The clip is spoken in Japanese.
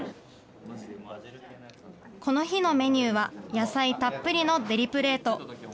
この日のメニューは野菜たっぷりのデリプレート。